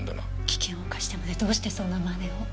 危険を冒してまでどうしてそんな真似を？